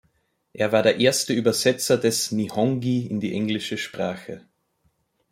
Er war der erste Übersetzer des "Nihongi" in die englische Sprache.